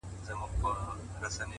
اوس په ځان پوهېږم چي مين يمه،